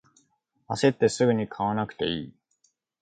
あせってすぐに買わなくていい